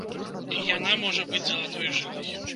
Яна можа быць залатой жылай.